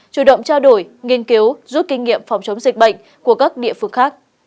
chủ động trao đổi nghiên cứu rút kinh nghiệm phòng chống dịch bệnh của các địa phương khác